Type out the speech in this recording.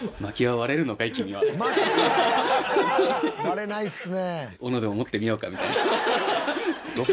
割れないですね。